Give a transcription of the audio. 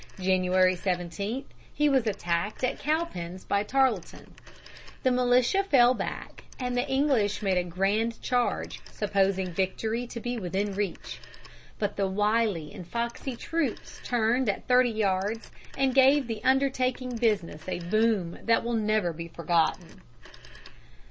January 17 he was attacked at Cowpens by Tarleton. The militia fell back, and the English made a grand charge, supposing victory to be within reach. But the wily and foxy troops turned at thirty yards and gave the undertaking business a boom that will never be forgotten.